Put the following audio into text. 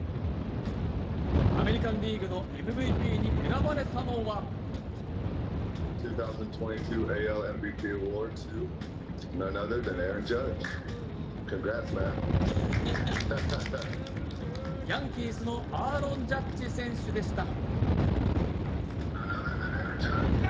アメリカン・リーグのＭＶＰに選ばれたのはヤンキースのアーロン・ジャッジ選手でした。